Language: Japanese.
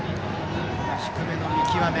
低めの見極め。